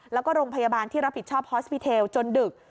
แล้วก็โรงพยาบาลที่รับผิดชอบฮอสปิเทลจนดึก